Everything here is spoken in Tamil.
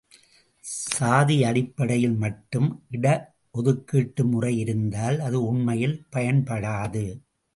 சாதி அடிப்படையில் மட்டும் இட ஒதுக்கீட்டுமுறை இருந்தால் அது உண்மையில் பயன்படாது.